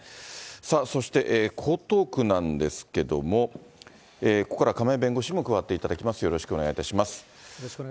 さあ、そして、江東区なんですけども、ここからは亀井弁護士も加わっていただきます、よろしくお願いします。